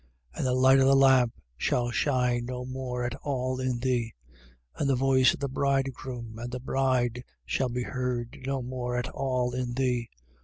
And the light of the lamp shall shine no more at all in thee: and the voice of the bridegroom and the bride shall be heard no more at all in thee.